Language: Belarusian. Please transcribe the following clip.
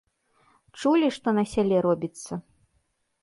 Чулі, што на сяле робіцца?